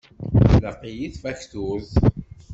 Tlaq-iyi tfakturt.